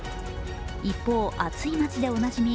一方、暑い街でおなじみ